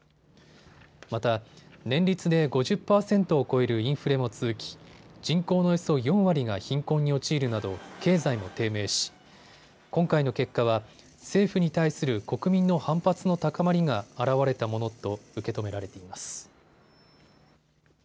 また年率で５０％を超えるインフレも続き人口のおよそ４割が貧困に陥るなど経済も低迷し今回の結果は政府に対する国民の反発の高まりが表れたものと受け止められています。